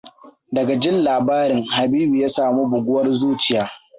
Daga jin labarin, Habibu ya samu buguwar zuciya.